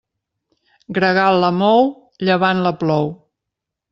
Gregal la mou, llevant la plou.